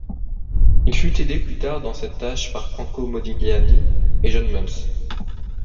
Il fut aidé plus tard dans cette tâche par Franco Modigliani et John Muth.